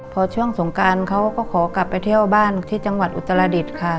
พอช่วงสงการเขาก็ขอกลับไปเที่ยวบ้านที่จังหวัดอุตรดิษฐ์ค่ะ